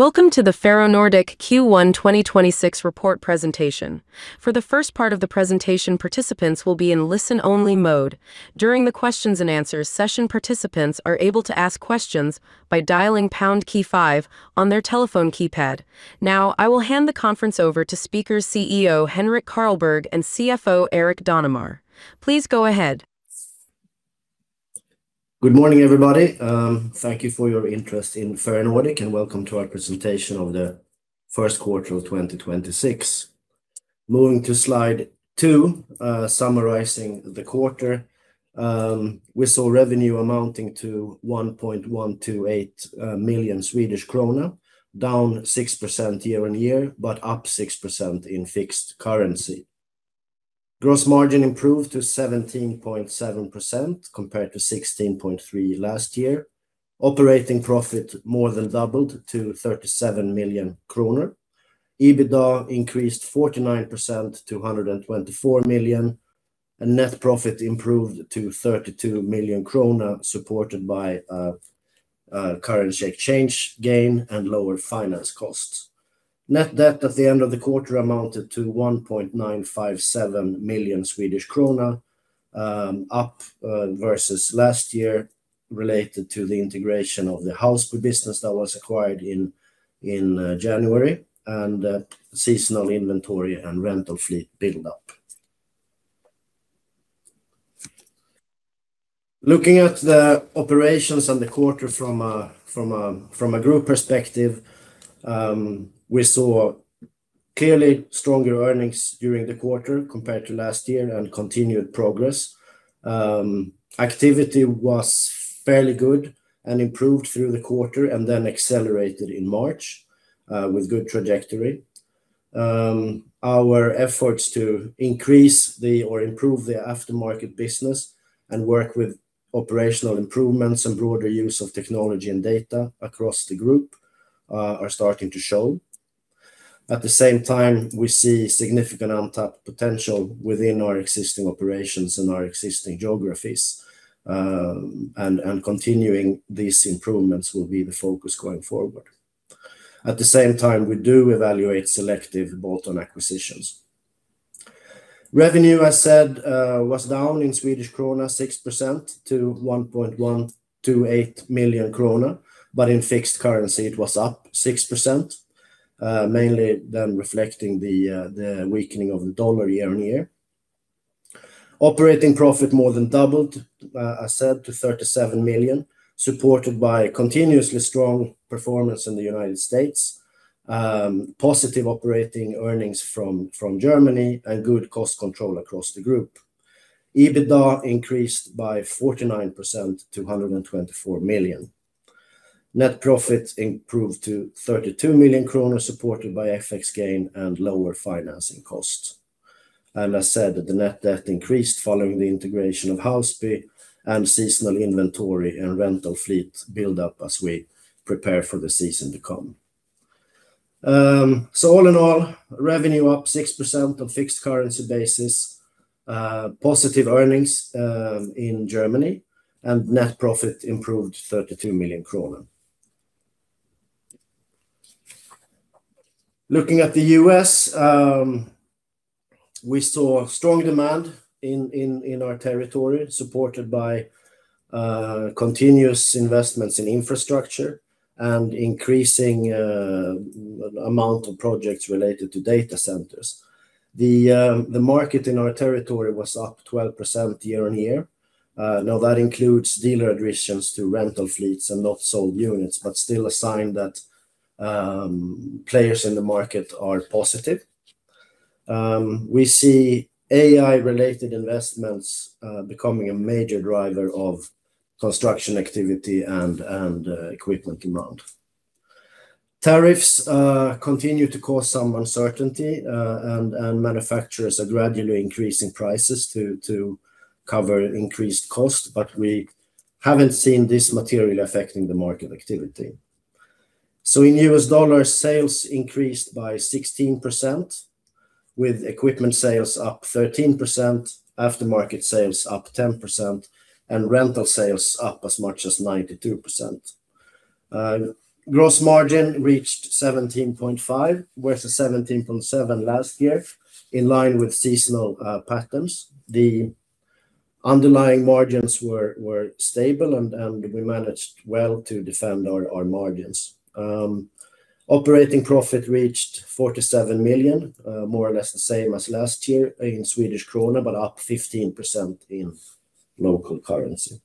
Welcome to the Ferronordic Q1 2026 report presentation. For the first part of the presentation, participants will be in listen-only mode. During the questions and answers session, participants are able to ask questions by dialing pound key five on their telephone keypad. Now, I will hand the conference over to speakers CEO Henrik Carlborg and CFO Erik Danemar. Please go ahead. Good morning, everybody. Thank you for your interest in Ferronordic, and welcome to our presentation of the first quarter of 2026. Moving to slide two, summarizing the quarter. We saw revenue amounting to 1.128 million Swedish krona, down 6% year-on-year, but up 6% in fixed currency. Gross margin improved to 17.7% compared to 16.3% last year. Operating profit more than doubled to 37 million kronor. EBITDA increased 49% to 124 million. Net profit improved to 32 million kronor, supported by currency exchange gain and lower finance costs. Net debt at the end of the quarter amounted to 1.957 million Swedish krona, up versus last year related to the integration of the Housby business that was acquired in January and seasonal inventory and rental fleet buildup. Looking at the operations and the quarter from a group perspective, we saw clearly stronger earnings during the quarter compared to last year and continued progress. Activity was fairly good and improved through the quarter and then accelerated in March with good trajectory. Our efforts to increase or improve the aftermarket business and work with operational improvements and broader use of technology and data across the group are starting to show. At the same time, we see significant untapped potential within our existing operations and our existing geographies. Continuing these improvements will be the focus going forward. At the same time, we do evaluate selective bolt-on acquisitions. Revenue, I said, was down in Swedish krona 6% to 1,128 million krona. In fixed currency it was up 6%, mainly then reflecting the weakening of the dollar year-on-year. Operating profit more than doubled, I said, to 37 million, supported by continuously strong performance in the United States, positive operating earnings from Germany, and good cost control across the group. EBITDA increased by 49% to 124 million. Net profit improved to 32 million kronor, supported by FX gain and lower financing costs. I said that the net debt increased following the integration of Housby and seasonal inventory and rental fleet buildup as we prepare for the season to come. All in all, revenue up 6% on fixed currency basis. Positive earnings in Germany and net profit improved 32 million kronor. Looking at the U.S., we saw strong demand in our territory supported by continuous investments in infrastructure and increasing amount of projects related to data centers. The market in our territory was up 12% year-on-year. Now that includes dealer additions to rental fleets and not sold units, but still a sign that players in the market are positive. We see AI-related investments becoming a major driver of construction activity and equipment demand. Tariffs continue to cause some uncertainty, and manufacturers are gradually increasing prices to cover increased cost, but we haven't seen this materially affecting the market activity. In U.S. dollars, sales increased by 16%, with equipment sales up 13%, aftermarket sales up 10%, and rental sales up as much as 92%. Gross margin reached 17.5% versus 17.7% last year in line with seasonal patterns. The underlying margins were stable and we managed well to defend our margins. Operating profit reached 47 million, more or less the same as last year in Swedish krona, but up 15% in local currency.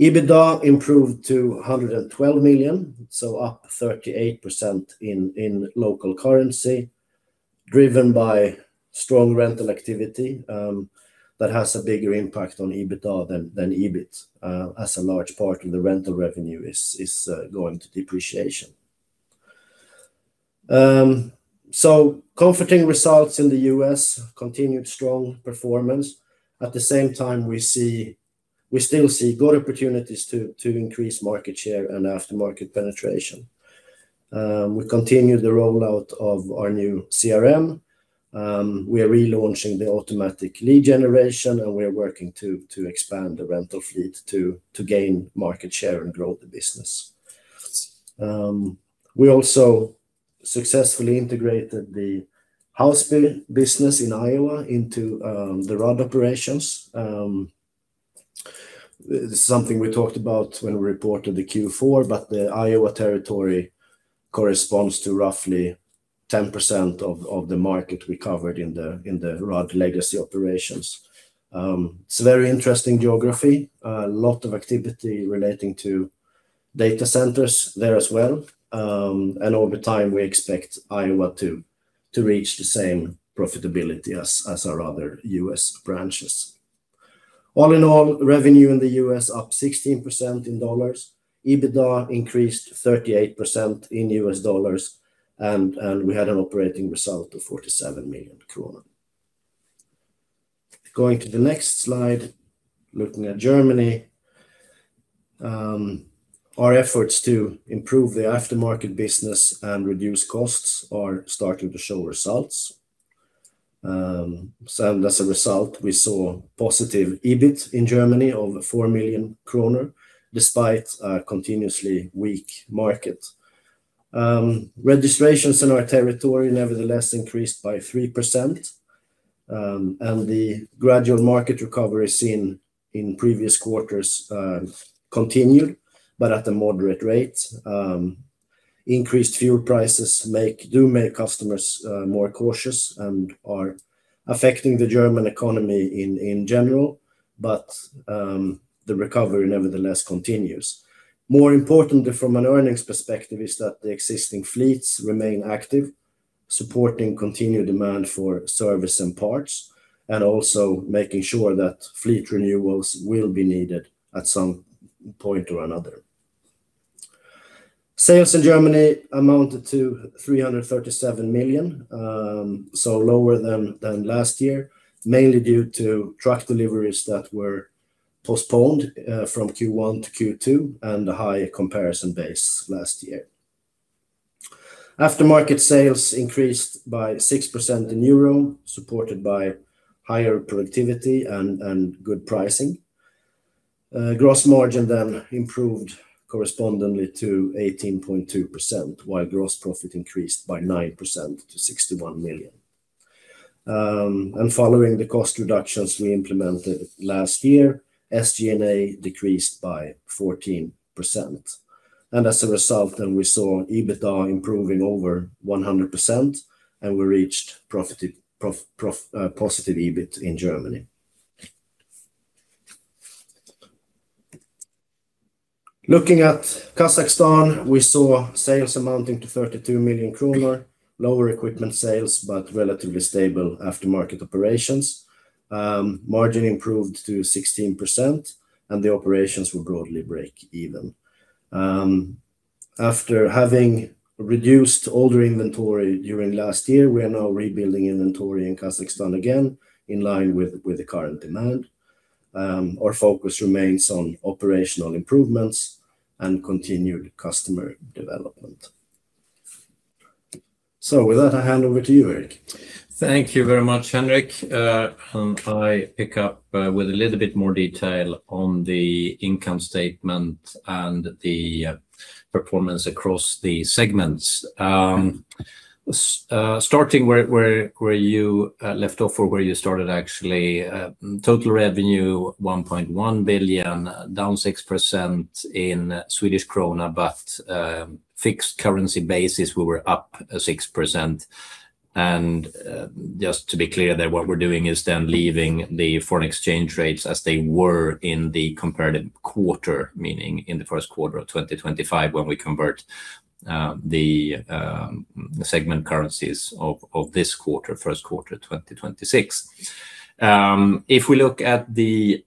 EBITDA improved to 112 million, up 38% in local currency, driven by strong rental activity, that has a bigger impact on EBITDA than EBIT, as a large part of the rental revenue is going to depreciation. Comforting results in the U.S., continued strong performance. At the same time, we still see good opportunities to increase market share and aftermarket penetration. We continue the rollout of our new CRM. We are relaunching the automatic lead generation, and we are working to expand the rental fleet to gain market share and grow the business. We also successfully integrated the Housby business in Iowa into the Rudd operations. This is something we talked about when we reported the Q4, but the Iowa territory corresponds to roughly 10% of the market we covered in the Rudd legacy operations. It's a very interesting geography. A lot of activity relating to data centers there as well. Over time, we expect Iowa to reach the same profitability as our other U.S. branches. All in all, revenue in the U.S. up 16% in dollars. EBITDA increased 38% in U.S dollars. We had an operating result of 47 million krona. Going to the next slide, looking at Germany. Our efforts to improve the aftermarket business and reduce costs are starting to show results. As a result, we saw positive EBIT in Germany of 4 million kronor despite a continuously weak market. Registrations in our territory nevertheless increased by 3%, and the gradual market recovery seen in previous quarters continued but at a moderate rate. Increased fuel prices do make customers more cautious and are affecting the German economy in general. The recovery nevertheless continues. More importantly from an earnings perspective is that the existing fleets remain active, supporting continued demand for service and parts, and also making sure that fleet renewals will be needed at some point or another. Sales in Germany amounted to 337 million. Lower than last year, mainly due to truck deliveries that were postponed from Q1 to Q2 and a high comparison base last year. Aftermarket sales increased by 6% in EUR, supported by higher productivity and good pricing. Gross margin then improved correspondingly to 18.2%, while gross profit increased by 9% to 61 million. Following the cost reductions we implemented last year, SG&A decreased by 14%. As a result, we saw EBITDA improving over 100%, and we reached positive EBIT in Germany. Looking at Kazakhstan, we saw sales amounting to 32 million kronor. Lower equipment sales, but relatively stable aftermarket operations. Margin improved to 16%, and the operations were broadly break even. After having reduced older inventory during last year, we are now rebuilding inventory in Kazakhstan again in line with the current demand. Our focus remains on operational improvements and continued customer development. With that, I hand over to you, Erik. Thank you very much, Henrik. I pick up with a little bit more detail on the income statement and the performance across the segments. Starting where you left off or where you started actually, total revenue 1.1 billion, down 6% in Swedish krona, fixed currency basis, we were up 6%. Just to be clear that what we're doing is then leaving the foreign exchange rates as they were in the comparative quarter, meaning in the first quarter of 2025 when we convert the segment currencies of this quarter, first quarter 2026. If we look at the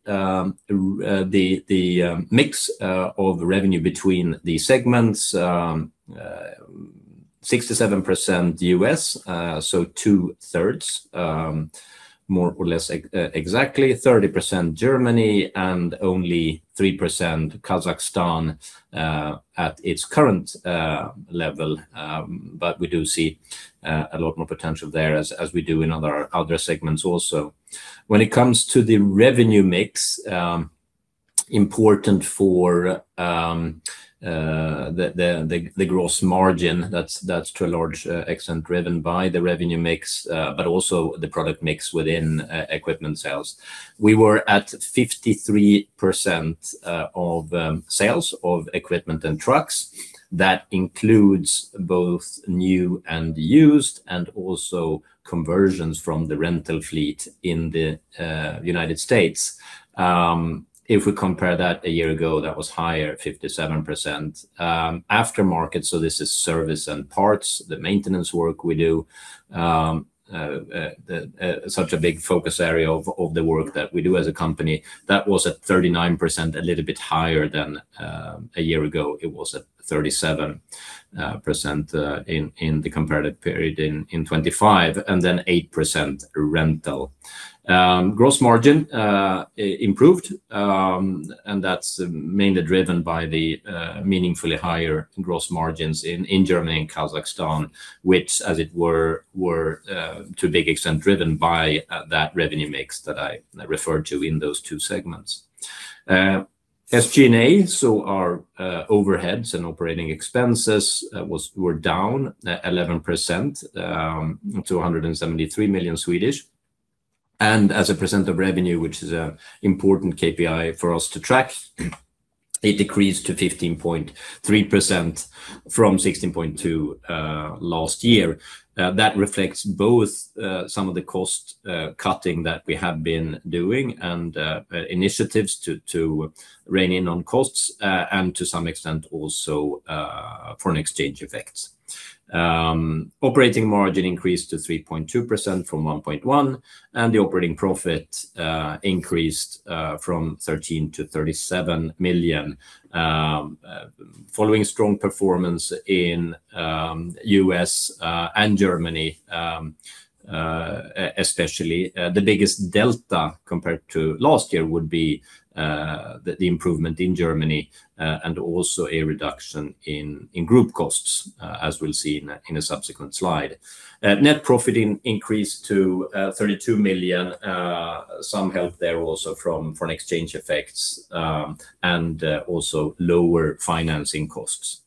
mix of revenue between the segments, 67% U.S., so 2/3 more or less exactly 30% Germany, only 3% Kazakhstan, at its current level. We do see a lot more potential there as we do in other segments also. When it comes to the revenue mix, important for the gross margin, that's to a large extent driven by the revenue mix, but also the product mix within equipment sales. We were at 53% of sales of equipment and trucks. That includes both new and used, and also conversions from the rental fleet in the United States. If we compare that a year ago, that was higher, 57%. Aftermarket, this is service and parts, the maintenance work we do, such a big focus area of the work that we do as a company. That was at 39%, a little bit higher than a year ago. It was at 37% in the comparative period in 2025, and then 8% rental. Gross margin improved, and that's mainly driven by the meaningfully higher gross margins in Germany and Kazakhstan, which, as it were to a big extent driven by that revenue mix that I referred to in those two segments. SG&A, so our overheads and operating expenses, were down 11% to 173 million. As a percent of revenue, which is a important KPI for us to track, it decreased to 15.3% from 16.2% last year. That reflects both some of the cost cutting that we have been doing and initiatives to rein in on costs and to some extent also foreign exchange effects. Operating margin increased to 3.2% from 1.1%, and the operating profit increased from 13 million-37 million, following strong performance in the U.S. and Germany, especially. The biggest delta compared to last year would be the improvement in Germany and also a reduction in group costs as we'll see in a subsequent slide. Net profit increased to 32 million. Some help there also from foreign exchange effects and also lower financing costs.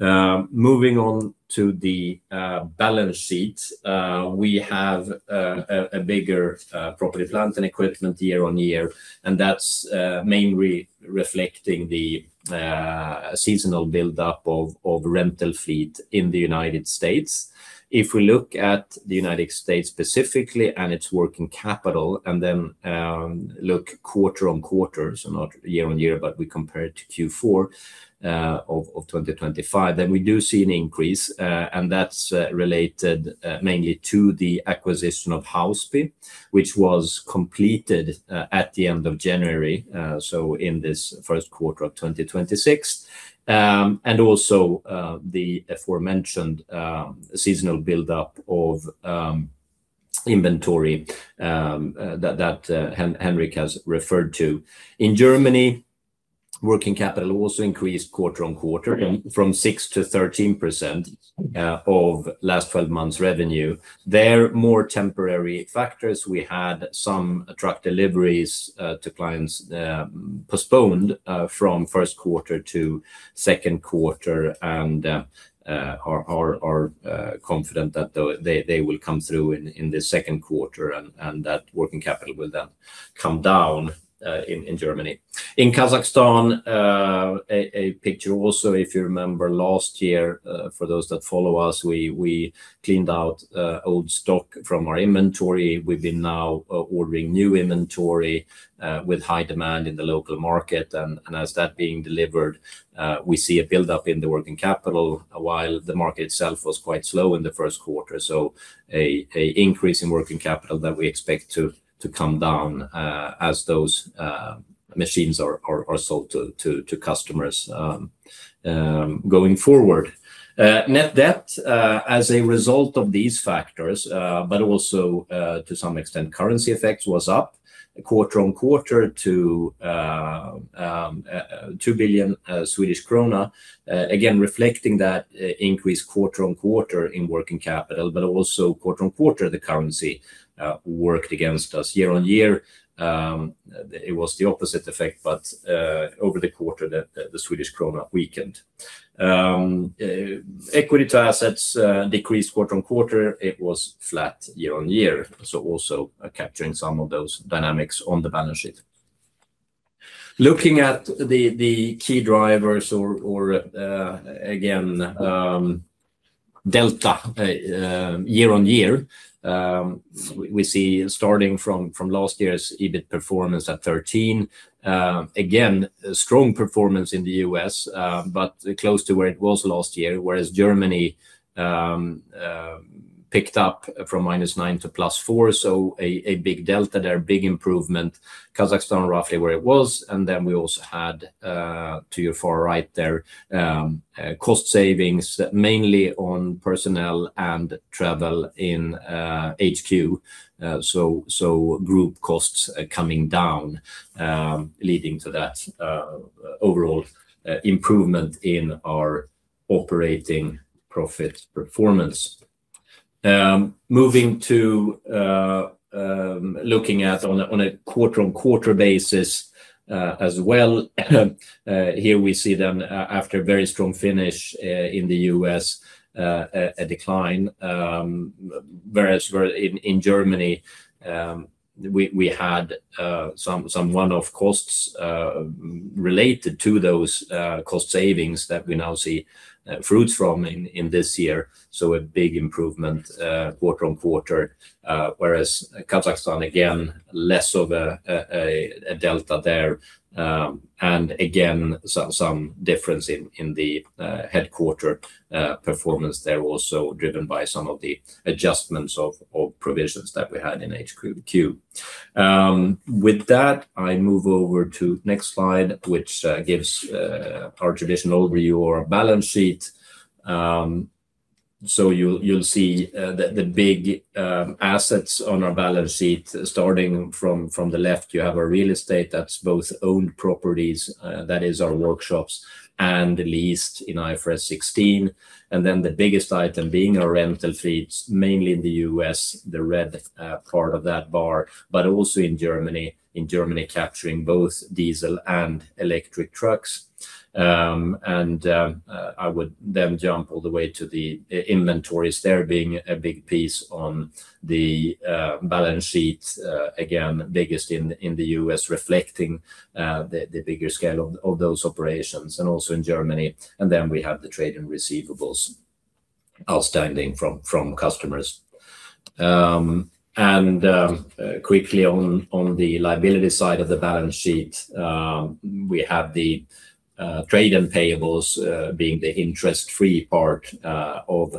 Moving on to the balance sheet, we have a bigger property plant and equipment year-on-year, and that's mainly reflecting the seasonal buildup of rental fleet in the U.S. If we look at the U.S. specifically and its working capital and then look quarter-on-quarter, so not year-on-year, but we compare it to Q4 of 2025, then we do see an increase. And that's related mainly to the acquisition of Housby, which was completed at the end of January, so in this first quarter of 2026, and also the aforementioned seasonal buildup of inventory that Henrik has referred to. In Germany, working capital also increased quarter-on-quarter from 6%-13% of last 12 months revenue. There, more temporary factors. We had some truck deliveries to clients postponed from first quarter to second quarter and are confident that they will come through in the second quarter and that working capital will then come down in Germany. In Kazakhstan, a picture also, if you remember last year, for those that follow us, we cleaned out old stock from our inventory. We've been now ordering new inventory with high demand in the local market. As that being delivered, we see a buildup in the working capital while the market itself was quite slow in the first quarter. A increase in working capital that we expect to come down as those machines are sold to customers going forward. Net debt, as a result of these factors, but also to some extent currency effects was up quarter-on-quarter to SEK 2 billion, again, reflecting that increase quarter-on-quarter in working capital, but also quarter-on-quarter the currency worked against us. Year-on-year, it was the opposite effect, but over the quarter the Swedish krona weakened. Equity to assets decreased quarter-on-quarter. It was flat year-on-year, so also capturing some of those dynamics on the balance sheet. Looking at the key drivers or again, delta year-over-year, we see starting from last year's EBIT performance at 13, again, a strong performance in the U.S., but close to where it was last year, whereas Germany picked up from -9 to +4, so a big delta there, big improvement. Kazakhstan roughly where it was. Then we also had to your far right there, cost savings mainly on personnel and travel in HQ. Group costs are coming down, leading to that overall improvement in our operating profit performance. Moving to, looking at on a quarter-on-quarter basis as well, here we see then after a very strong finish in the U.S., a decline, whereas where in Germany, we had some one-off costs related to those cost savings that we now see fruits from in this year, so a big improvement quarter-on-quarter. Whereas Kazakhstan, again, less of a delta there, and again, some difference in the headquarters performance there also driven by some of the adjustments of provisions that we had in HQ. With that, I move over to next slide, which gives our traditional review or balance sheet. So you'll see the the big assets on our balance sheet starting from the left, you have our real estate that's both owned properties, that is our workshops, and leased in IFRS 16. The biggest item being our rental fleets, mainly in the U.S., the red, part of that bar, but also in Germany. In Germany capturing both diesel and electric trucks. I would then jump all the way to the inventories there being a big piece on the balance sheet. Again, biggest in the U.S. reflecting the bigger scale of those operations, and also in Germany. We have the trade and receivables outstanding from customers. Quickly on the liability side of the balance sheet, we have the trade and payables being the interest-free part of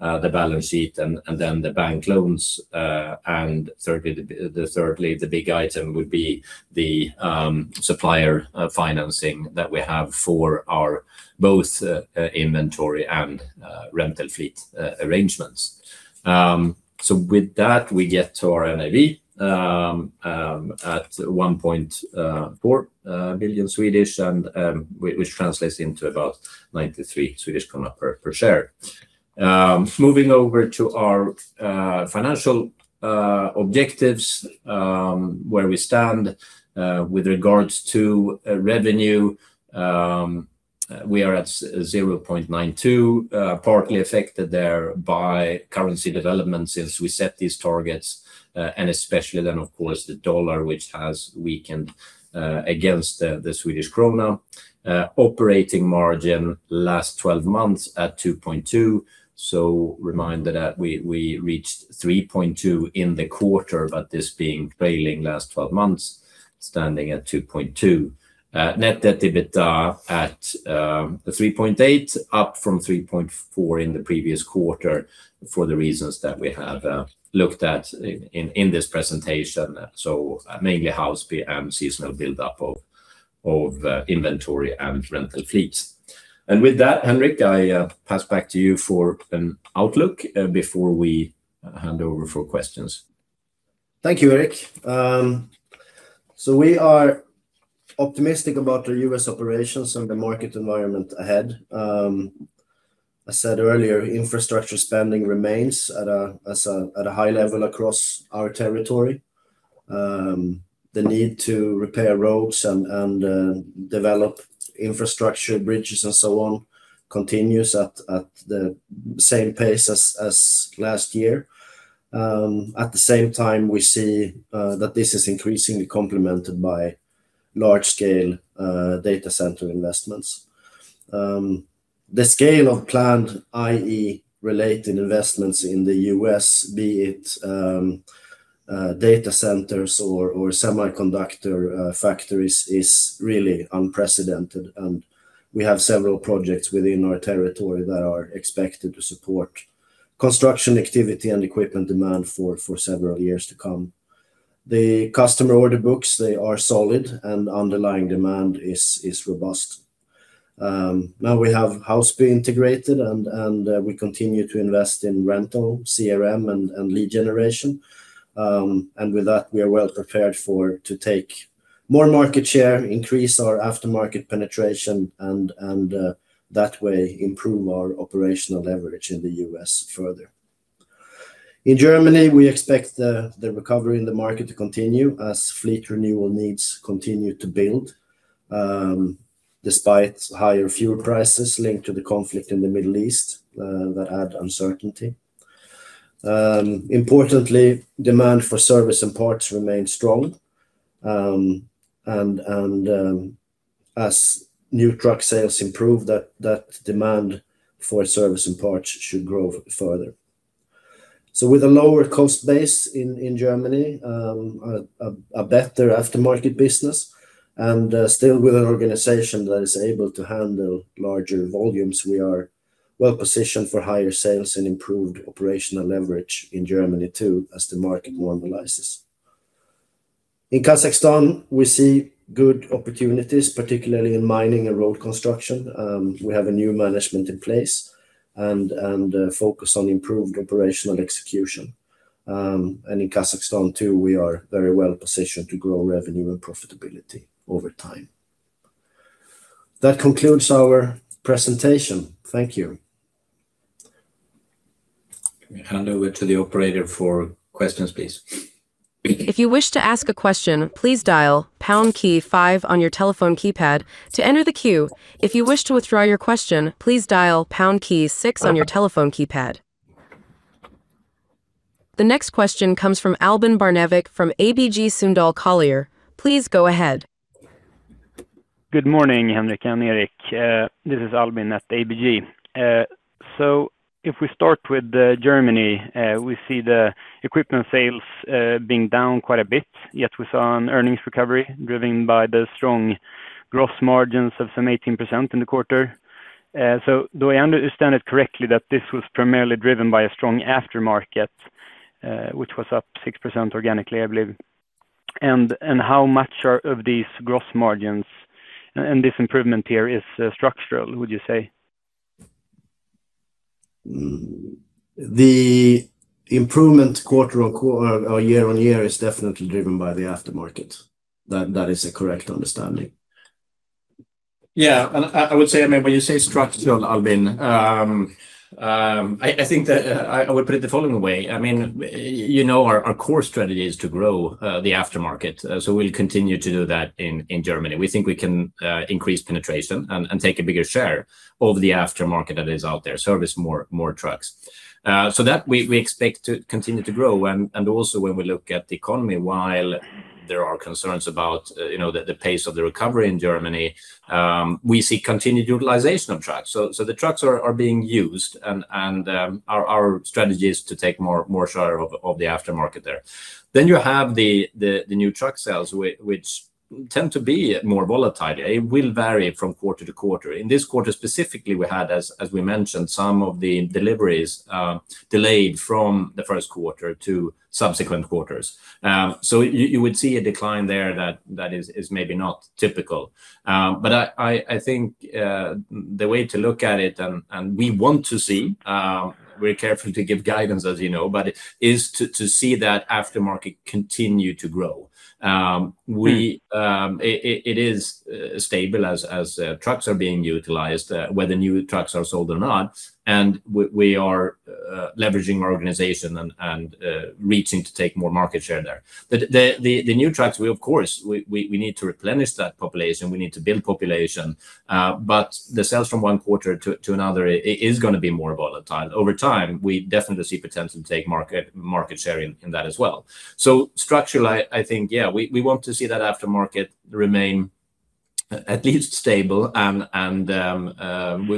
the balance sheet and then the bank loans. Thirdly, the big item would be the supplier financing that we have for our both inventory and rental fleet arrangements. With that, we get to our NAV at 1.4 billion and which translates into about 93 per share. Moving over to our financial objectives, where we stand with regards to revenue, we are at 0.92, partly affected there by currency development since we set these targets, especially then of course the dollar which has weakened against the Swedish krona. Operating margin last 12 months at 2.2. Reminder that we reached 3.2 in the quarter, but this being trailing last 12 months, standing at 2.2. Net Debt/EBITDA at 3.8, up from 3.4 in the previous quarter for the reasons that we have looked at in this presentation. Mainly Housby and seasonal buildup of inventory and rental fleets. With that, Henrik, I pass back to you for an outlook before we hand over for questions. Thank you, Erik. We are optimistic about the U.S. operations and the market environment ahead. I said earlier, infrastructure spending remains at a high level across our territory. The need to repair roads and develop infrastructure, bridges and so on, continues at the same pace as last year. At the same time, we see that this is increasingly complemented by large scale data center investments. The scale of planned AI related investments in the U.S., be it data centers or semiconductor factories, is really unprecedented, and we have several projects within our territory that are expected to support construction activity and equipment demand for several years to come. The customer order books, they are solid and underlying demand is robust. Now we have Housby integrated and we continue to invest in rental CRM and lead generation. With that, we are well prepared to take more market share, increase our aftermarket penetration and that way improve our operational leverage in the U.S. further. In Germany, we expect the recovery in the market to continue as fleet renewal needs continue to build despite higher fuel prices linked to the conflict in the Middle East that add uncertainty. Importantly, demand for service and parts remain strong. And as new truck sales improve that demand for service and parts should grow further. With a lower cost base in Germany, a better aftermarket business and still with an organization that is able to handle larger volumes, we are well-positioned for higher sales and improved operational leverage in Germany too, as the market normalizes. In Kazakhstan, we see good opportunities, particularly in mining and road construction. We have a new management in place and a focus on improved operational execution. And in Kazakhstan too, we are very well-positioned to grow revenue and profitability over time. That concludes our presentation. Thank you. Can we hand over to the operator for questions, please? If you wish to ask a question please dial pound key five on your telephone keypad to enter the queue. If you wish to withdraw your question, please dial pound key five on your telephone keypad. The next question comes from Albin Barnevik from ABG Sundal Collier. Please go ahead. Good morning, Henrik and Erik. This is Albin at ABG. If we start with Germany, we see the equipment sales being down quite a bit, yet we saw an earnings recovery driven by the strong gross margins of some 18% in the quarter. Do I understand it correctly that this was primarily driven by a strong aftermarket, which was up 6% organically, I believe? How much are of these gross margins and this improvement here is structural, would you say? The improvement quarter-on-quarter or year-on-year is definitely driven by the aftermarket. That is a correct understanding. Yeah. I would say, I mean, when you say structural, Albin, I think that, I would put it the following way. I mean, you know, our core strategy is to grow the aftermarket. We'll continue to do that in Germany. We think we can increase penetration and take a bigger share of the aftermarket that is out there, service more trucks. That we expect to continue to grow. Also when we look at the economy, while there are concerns about, you know, the pace of the recovery in Germany, we see continued utilization of trucks. The trucks are being used and our strategy is to take more share of the aftermarket there. You have the new truck sales which tend to be more volatile. It will vary from quarter to quarter. In this quarter specifically, we had, as we mentioned, some of the deliveries delayed from the first quarter to subsequent quarters. You would see a decline there that is maybe not typical. I think the way to look at it, and we want to see, we're careful to give guidance, as you know, is to see that aftermarket continue to grow. We. It is stable as trucks are being utilized whether new trucks are sold or not, and we are leveraging our organization and reaching to take more market share there. The new trucks, we of course, we need to replenish that population, we need to build population, but the sales from one quarter to another is gonna be more volatile. Over time, we definitely see potential to take market share in that as well. Structural, I think, yeah, we want to see that aftermarket remain at least stable and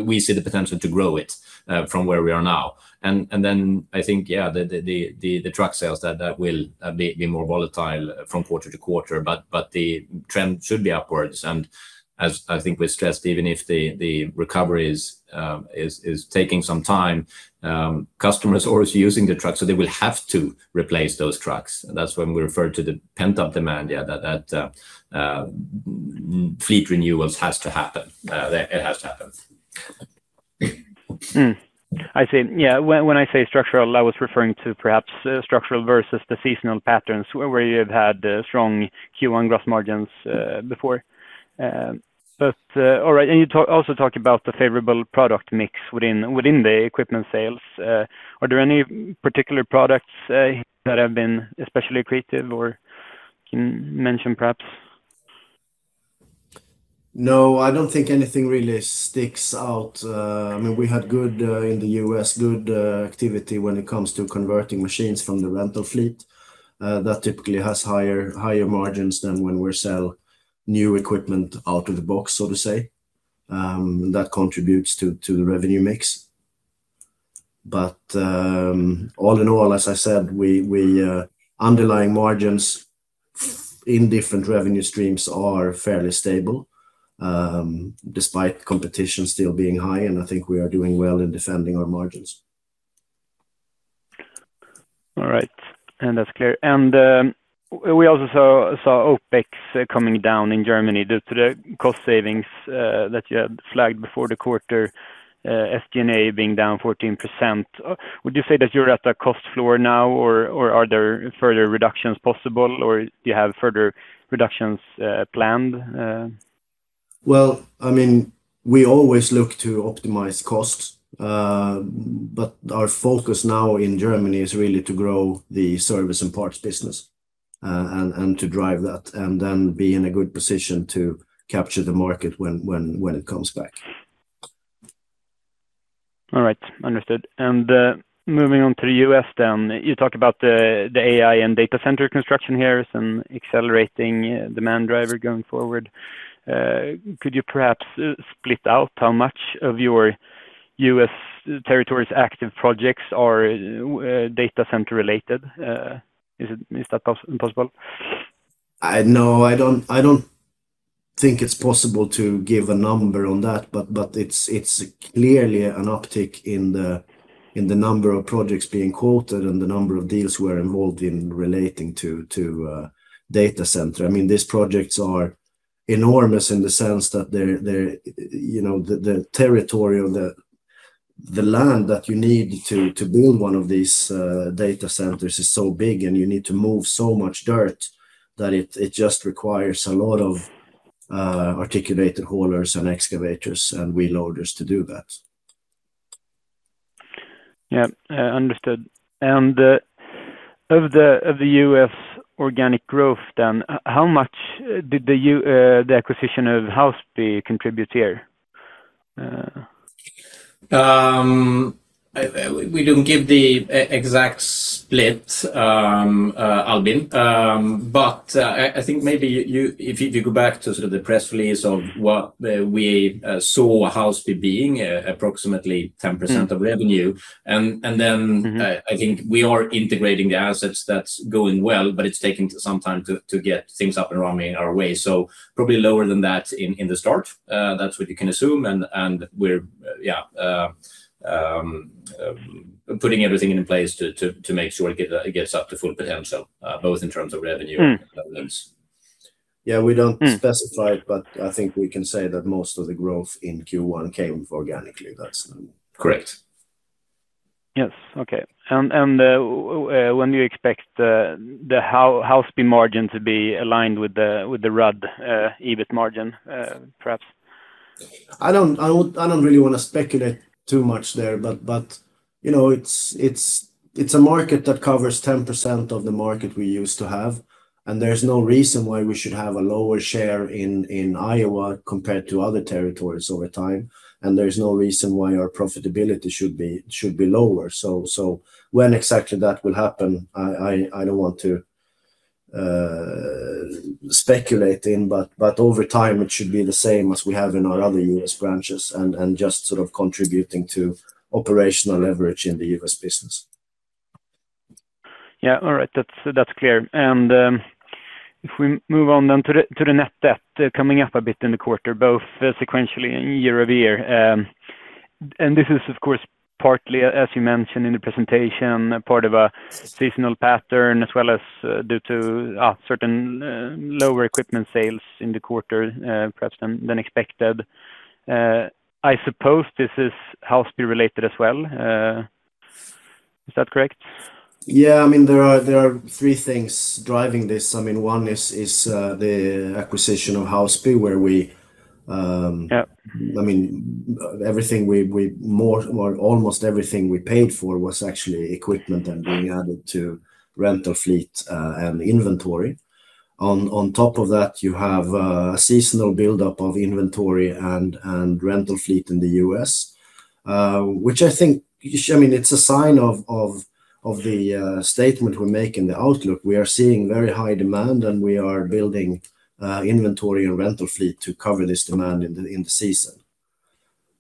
we see the potential to grow it from where we are now. Then I think, yeah, the truck sales, that will be more volatile from quarter to quarter, but the trend should be upwards. As I think we stressed, even if the recovery is taking some time, customers are always using the trucks, so they will have to replace those trucks. That's when we refer to the pent-up demand, that fleet renewals has to happen. It has to happen. I see. When I say structural, I was referring to perhaps structural versus the seasonal patterns where you've had strong Q1 gross margins before. All right. You also talked about the favorable product mix within the equipment sales. Are there any particular products that have been especially accretive or can mention perhaps? No, I don't think anything really sticks out. I mean, we had good in the U.S., good activity when it comes to converting machines from the rental fleet. That typically has higher margins than when we sell new equipment out of the box, so to say. That contributes to the revenue mix. All in all, as I said, we underlying margins in different revenue streams are fairly stable despite competition still being high, and I think we are doing well in defending our margins. All right. That's clear. We also saw OpEx coming down in Germany due to the cost savings that you had flagged before the quarter, SG&A being down 14%. Would you say that you're at a cost floor now or are there further reductions possible, or do you have further reductions planned? Well, I mean, we always look to optimize costs, but our focus now in Germany is really to grow the service and parts business, and to drive that and then be in a good position to capture the market when it comes back. All right. Understood. Moving on to the U.S., you talk about the AI and data center construction here as an accelerating demand driver going forward. Could you perhaps split out how much of your U.S. territories active projects are data center related? Is that possible? No, I don't think it's possible to give a number on that, but it's clearly an uptick in the number of projects being quoted and the number of deals we're involved in relating to data center. I mean, these projects are enormous in the sense that they're, you know, the territory or the land that you need to build one of these data centers is so big and you need to move so much dirt that it just requires a lot of articulated haulers and excavators and wheel loaders to do that. Yeah. understood. Of the, of the U.S. organic growth then, how much did the acquisition of Housby contribute here? We don't give the exact split, Albin. I think maybe you, if you go back to sort of the press release of what we saw Housby being approximately 10% of revenue. I think we are integrating the assets. That's going well, but it's taking some time to get things up and running our way. Probably lower than that in the start. That's what you can assume. Putting everything in place to make sure it gets up to full potential, both in terms of revenue. Yeah we don't specify it, but I think we can say that most of the growth in Q1 came organically. That's correct. Yes. Okay. When do you expect the Housby margin to be aligned with the Rudd EBIT margin, perhaps? I don't really wanna speculate too much there, but, you know, it's a market that covers 10% of the market we used to have, and there's no reason why we should have a lower share in Iowa compared to other territories over time. There's no reason why our profitability should be lower. When exactly that will happen, I don't want to speculate in, but over time, it should be the same as we have in our other U.S. branches and just sort of contributing to operational leverage in the U.S. business. Yeah. All right. That's, that's clear. If we move on then to the net debt coming up a bit in the quarter, both sequentially and year-over-year. This is, of course, partly, as you mentioned in the presentation, part of a seasonal pattern, as well as due to certain lower equipment sales in the quarter, perhaps than expected. I suppose this is Housby related as well. Is that correct? Yeah. I mean, there are three things driving this. I mean, one is the acquisition of Housby, where we. Yeah I mean, almost everything we paid for was actually equipment and being added to rental fleet and inventory. On top of that, you have a seasonal buildup of inventory and rental fleet in the U.S., which I think, I mean, it's a sign of the statement we make in the outlook. We are seeing very high demand, we are building inventory and rental fleet to cover this demand in the season.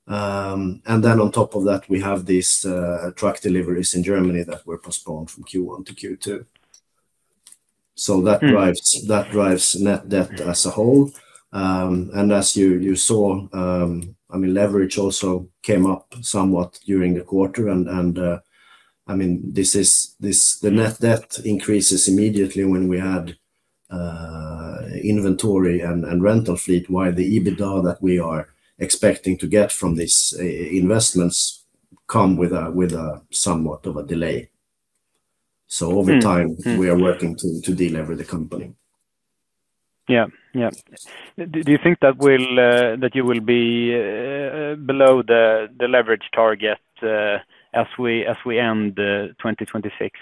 Then on top of that, we have these truck deliveries in Germany that were postponed from Q1 to Q2. That drives net debt as a whole. As you saw, I mean, leverage also came up somewhat during the quarter and I mean, this the net debt increases immediately when we add inventory and rental fleet, while the EBITDA that we are expecting to get from these investments come with a somewhat of a delay. We are working to delever the company. Yeah. Yeah. Do you think that will that you will be below the leverage target as we end 2026?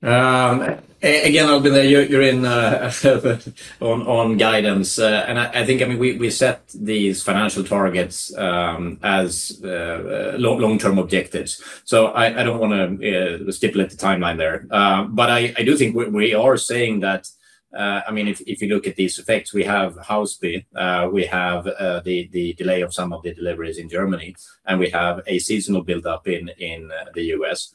Again, Albin, you're in on guidance. I think, I mean, we set these financial targets as long-term objectives. I don't wanna stipulate the timeline there. I do think we are saying that, I mean, if you look at these effects, we have Housby, we have the delay of some of the deliveries in Germany, and we have a seasonal buildup in the U.S.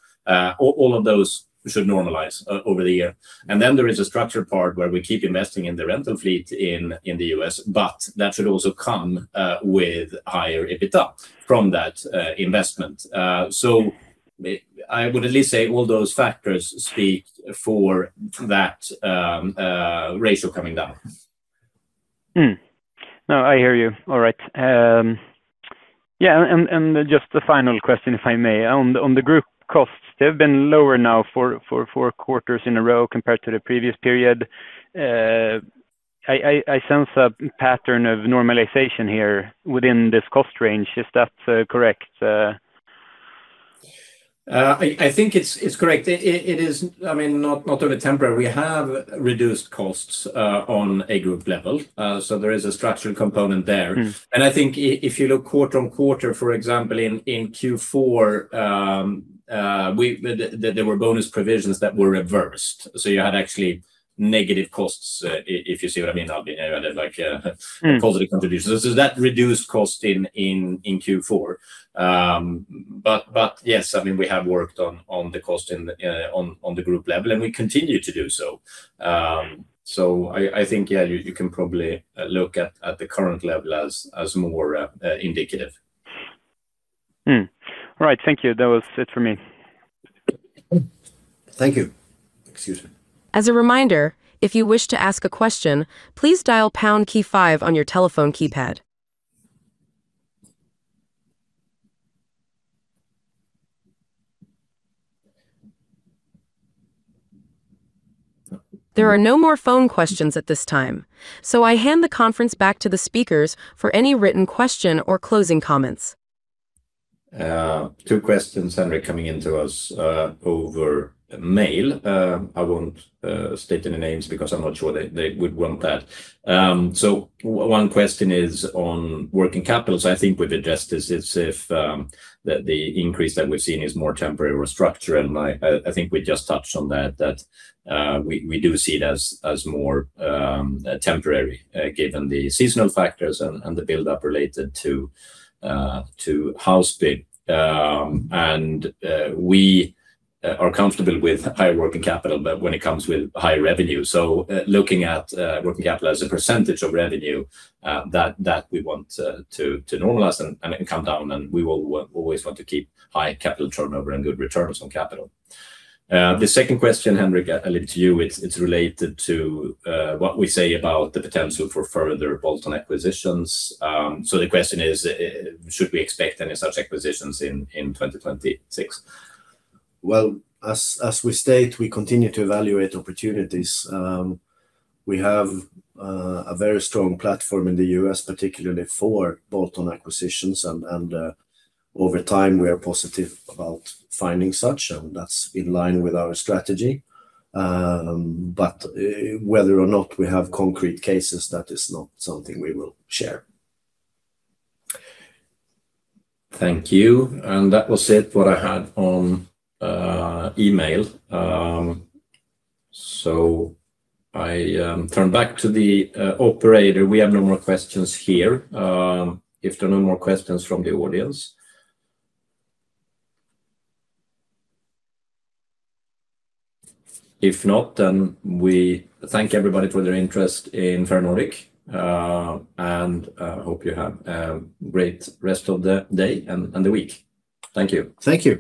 All of those should normalize over the year. There is a structure part where we keep investing in the rental fleet in the U.S., that should also come with higher EBITDA from that investment. I would at least say all those factors speak for that ratio coming down. No, I hear you. All right. Yeah, just a final question, if I may. On the group costs, they've been lower now for four quarters in a row compared to the previous period. I sense a pattern of normalization here within this cost range. Is that correct? I think it's correct. It is, I mean, not only temporary. We have reduced costs on a group level, so there is a structural component there. If you look quarter-on-quarter, for example, in Q4, there were bonus provisions that were reversed. You had actually negative costs, if you see what I mean, Albin, like positive contributions. That reduced cost in Q4. But yes, I mean, we have worked on the cost on the group level, and we continue to do so. I think, yeah, you can probably look at the current level as more indicative. All right. Thank you. That was it for me. Thank you. Excuse me. As a reminder, if you wish to ask a question please dial pound key five on your telephone keypad. There are no more phone questions at this time, so I hand the conference back to the speakers for any written question or closing comments. Two questions, Henrik, coming in to us over mail. I won't state any names because I'm not sure they would want that. One question is on working capital. I think we addressed this. It's if the increase that we've seen is more temporary or structural. I think we just touched on that, we do see it as more temporary, given the seasonal factors and the buildup related to Housby. We are comfortable with higher working capital, but when it comes with higher revenue. Looking at working capital as a percentage of revenue, that we want to normalize and come down, and we will always want to keep high capital turnover and good returns on capital. The second question, Henrik, I leave to you. It's related to what we say about the potential for further bolt-on acquisitions. The question is, should we expect any such acquisitions in 2026? Well, as we state, we continue to evaluate opportunities. We have a very strong platform in the U.S., particularly for bolt-on acquisitions and over time, we are positive about finding such, and that's in line with our strategy. Whether or not we have concrete cases, that is not something we will share. Thank you. That was it, what I had on email. I turn back to the operator. We have no more questions here, if there are no more questions from the audience. If not, we thank everybody for their interest in Ferronordic, and hope you have a great rest of the day and the week. Thank you. Thank you.